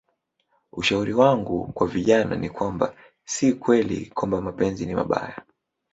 Ushauri wangu kwa vijana ni kwamba si kweli kwamba mapenzi ni mabaya